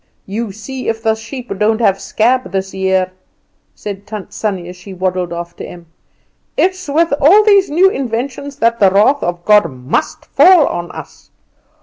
"You see if the sheep don't have the scab this year!" said Tant Sannie as she waddled after Em. "It's with all these new inventions that the wrath of God must fall on us.